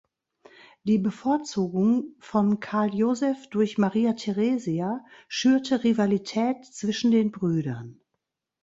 Die Bevorzugung von Karl Joseph durch Maria Theresia schürte Rivalität zwischen den Brüdern.